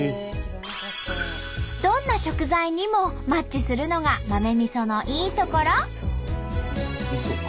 どんな食材にもマッチするのが豆みそのいいところ。